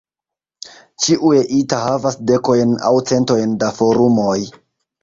Ĉiuj "ita" havas dekojn aŭ centojn da forumoj.